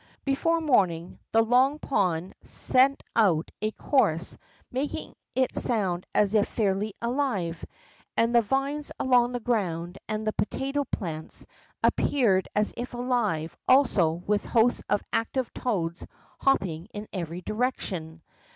Before morning, the Long Pond sent out a chorus making it sound as if fairly alive, and the vines along the ground and the potato plants WHAT THE FROGS TAUGHT 87 appeared as if alive also with hosts of active toads hopping in every direction.